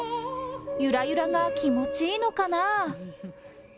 ゆらゆらが気持ちいいのかな。